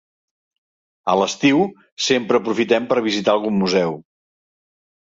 A l'estiu sempre aprofitem per visitar algun museu.